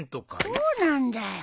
そうなんだよ。